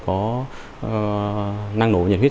có năng nổ nhiệt huyết